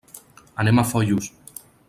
Anem a Foios.